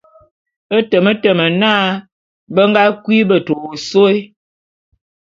E temetem na, be nga kui beta ôsôé.